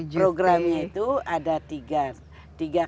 programnya itu ada tiga